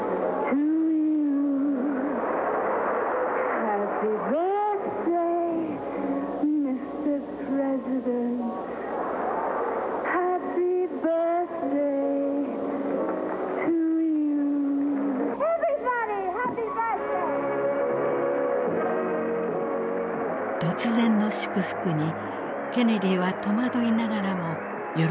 突然の祝福にケネディは戸惑いながらも喜びを隠さなかった。